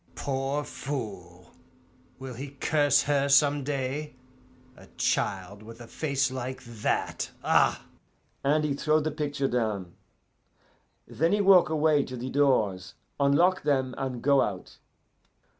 'Poor fool! Will he curse her some day a child with a face like that? Ah!' And he throw the picture down. Then he walk away to the doors, unlock them, and go out.